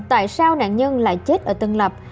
tại sao nạn nhân lại chết ở tân lập